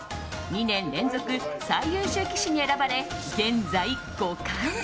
２年連続最優秀棋士に選ばれ現在、五冠。